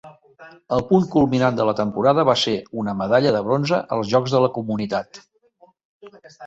El punt culminant de la temporada va ser una medalla de bronze als Jocs de la Comunitat.